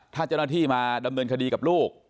ถ้าเจ้าหน้าที่มาดำเนินคดีกับลูก